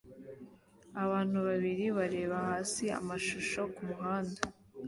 Abantu babiri bareba hasi amashusho ku muhanda